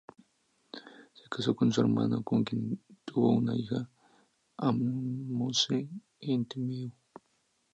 Se casó con su hermano, con quien tuvo una hija, Ahmose-Hentimehu.